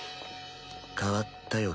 変わったよ